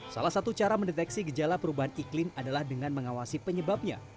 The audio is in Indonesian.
salah satu cara mendeteksi gejala perubahan iklim adalah dengan mengawasi penyebabnya